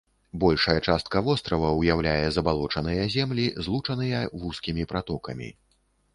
Большая частка вострава ўяўляе забалочаныя землі, злучаныя вузкімі пратокамі.